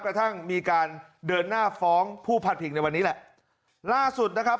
กระทั่งมีการเดินหน้าฟ้องผู้พัดพิงในวันนี้แหละล่าสุดนะครับ